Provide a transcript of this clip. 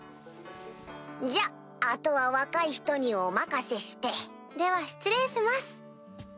じゃ後は若い人にお任せして。では失礼します。